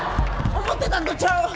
思ってたんとちゃう！